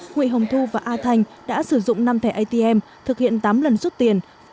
nguy hồng thu và a thanh đã sử dụng năm thẻ atm thực hiện tám lần rút tiền